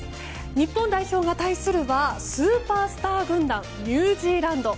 日本代表が対するはスーパースター軍団ニュージーランド。